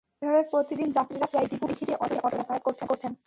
এভাবে প্রতিদিন যাত্রীরা প্রায় দ্বিগুণ ভাড়া বেশি দিয়ে অটোরিকশায় যাতায়াত করছেন।